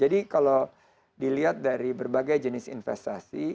kalau dilihat dari berbagai jenis investasi